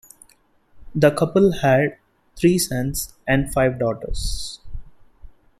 The couple had three sons and five daughters.